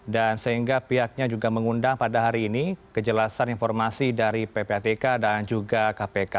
dan sehingga pihaknya juga mengundang pada hari ini kejelasan informasi dari ppatk dan juga kpk